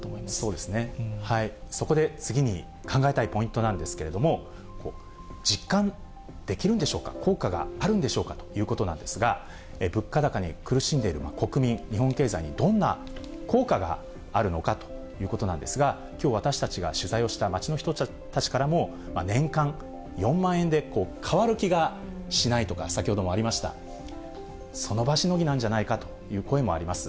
そうですね、そこで次に考えたいポイントなんですけれども、実感できるんでしょうか、効果があるんでしょうかということなんですが、物価高に苦しんでいる国民、日本経済にどんな効果があるのかということなんですが、きょう、私たちが取材をした街の人たちからも、年間４万円で変わる気がしないとか、先ほどもありました、その場しのぎなんじゃないかという声もあります。